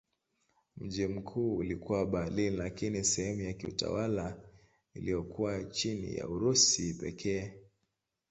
Mji mkuu ulikuwa Berlin lakini sehemu ya kiutawala iliyokuwa chini ya Urusi pekee.